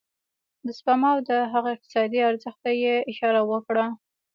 د سپما او د هغه اقتصادي ارزښت ته يې اشاره وکړه.